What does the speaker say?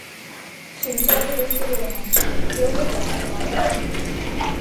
Шинчаже вестӱрлемын йылгыжаш тӱҥалеш.